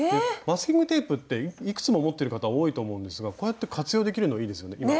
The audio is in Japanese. マスキングテープっていくつも持ってる方多いと思うんですがこうやって活用できるのいいですよね。